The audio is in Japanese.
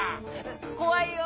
こわいよ。